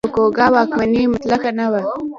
توکوګاوا واکمني مطلقه نه وه.